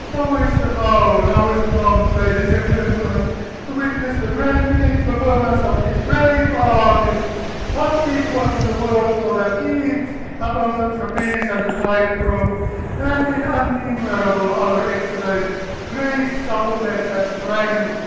Now is the hour, now is the moment, ladies and gentlemen, to witness the grand, unique performance of these great artists, unequaled in the world for their feats upon the trapeze and the tight rope, and in innumerable other exercises of grace, suppleness, and strength!"